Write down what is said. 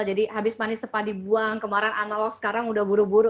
jadi habis manis sepan dibuang kemarin analog sekarang sudah buru buru